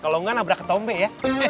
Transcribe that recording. kalau enggak nabrak ketombe ya